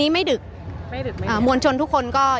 อย่างที่บอกไปว่าเรายังยึดในเรื่องของข้อ